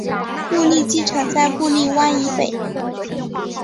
布利机场在布利湾以北。